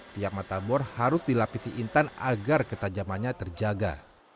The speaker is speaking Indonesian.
tiap matabor harus dilapisi intan agar ketajamannya terjaga